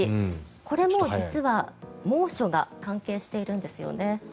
これも実は猛暑が関係しているんですね。